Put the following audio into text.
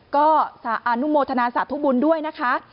ก็อนุโมทนาสาธุบุญด้วยนะคะ